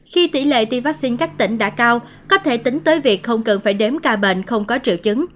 khi tỷ lệ tiêm vaccine các tỉnh đã cao có thể tính tới việc không cần phải đếm ca bệnh không có triệu chứng